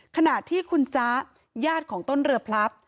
ขณะที่คุณจ๊ะญาติของต้นเรือพลับ